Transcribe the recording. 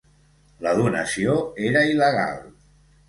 La donació era il·legal.